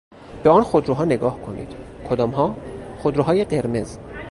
به آن خودروها نگاه کنید. کدامها؟ خودروهای قرمز.